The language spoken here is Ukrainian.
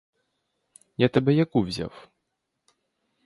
Я тебе яку взяв?